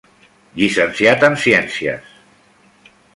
Llicenciat en Ciències.